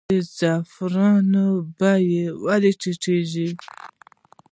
د زعفرانو بیه ولې ټیټیږي؟